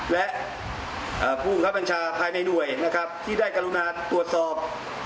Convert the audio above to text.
และผู้บังคับบัญชาภายในหน่วยนะครับที่ได้กรุณาตรวจสอบ